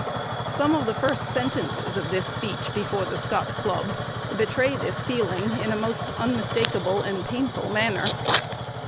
Some of the first sentences of this speech before the "Scott Club" betray this feeling in a most unmistakable and painful manner.